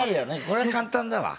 これは簡単だわ。